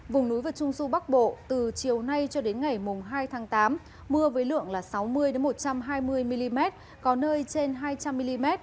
vùng núi và trung du bắc bộ từ chiều nay cho đến ngày hai tháng tám mưa với lượng sáu mươi một trăm hai mươi mm có nơi trên hai trăm linh mm